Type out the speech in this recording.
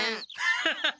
アハハハ。